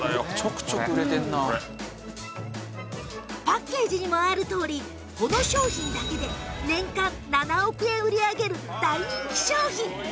パッケージにもあるとおりこの商品だけで年間７億円売り上げる大人気商品！